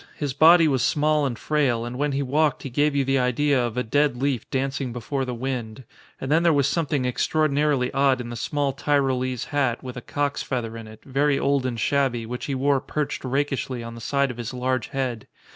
His body was small and frail and when he walked he gave you the idea of a dead leaf dancing before the wind; and then there was something extraordinarily odd in the small Tyrolese hat, with a cock's feather in it, very old and shabby, which he wore perched rakishly on the side of his large head.